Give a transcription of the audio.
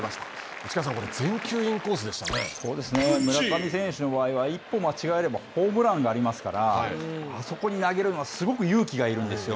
内川さん、村上選手の場合は一歩間違えたら、ホームランがありますから、あそこに投げるのは、すごく勇気がいるんですよ。